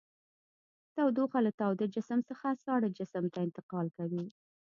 تودوخه له تاوده جسم څخه ساړه جسم ته انتقال کوي.